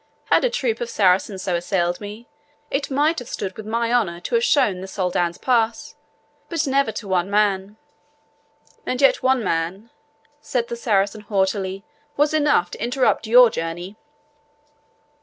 "Had a troop of Saracens so assailed me, it might have stood with my honour to have shown the Soldan's pass, but never to one man." "And yet one man," said the Saracen haughtily, "was enough to interrupt your journey."